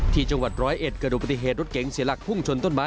ที่จังหวัด๑๐๑เกิดอุบัติเหตุรถเก๋งเสียหลักพุ่งชนต้นไม้